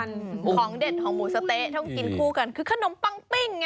ของเด็ดของหมูสะเต๊ะต้องกินคู่กันคือขนมปังปิ้งไง